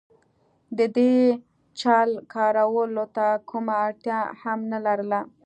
د دې چل کارولو ته کومه اړتیا هم نه لرله.